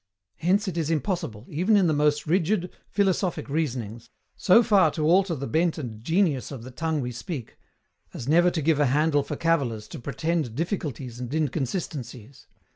Hence it is impossible, even in the most rigid, philosophic reasonings, so far to alter the bent and genius of the tongue we speak, as never to give a handle for cavillers to pretend difficulties and inconsistencies.